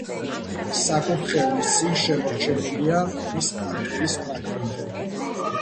საკურთხევლის წინ შემორჩენილია ქვის კანკელის ფრაგმენტები.